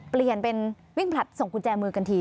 เปลี่ยนเป็นวิ่งผลัดส่งกุญแจมือกันที